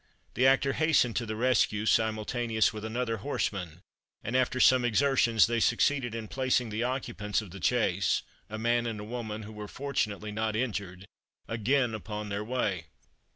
The actor hastened to the rescue simultaneously with another horseman, and after some exertions they succeeded in placing the occupants of the chaise a man and woman, who were fortunately not injured again upon their way.